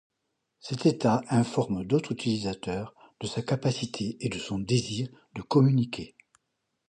Cet état informe d'autres utilisateurs de sa capacité et de son désir de communiquer.